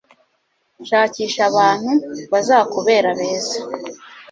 Shakisha abantu bazakubera beza.”